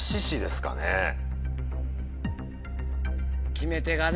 決め手がね。